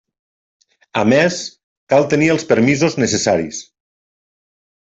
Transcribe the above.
A més, cal tenir els permisos necessaris.